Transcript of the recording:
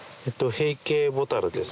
ヘイケボタルです。